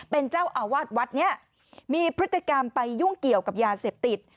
เป็นเจ้าอาวาสวัดนี้มีพฤติกรรมไปยุ่งเกี่ยวกับยาเสพติด